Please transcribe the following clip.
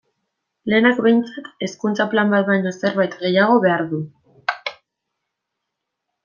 Lehenak, behintzat, Hezkuntza Plan bat baino zerbait gehiago behar du.